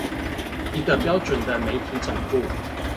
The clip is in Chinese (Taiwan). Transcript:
一個標準的媒體總部